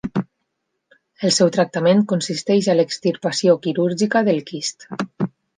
El seu tractament consisteix a l'extirpació quirúrgica del quist.